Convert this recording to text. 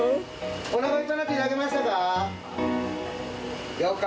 おなかいっぱいになっていただけましたか？